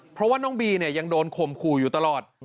เพราะว่าน้องบีเนี่ยยังโดนข่มขู่อยู่ตลอด